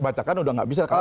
bacakan udah nggak bisa